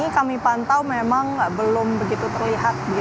kami pantau memang belum begitu terlihat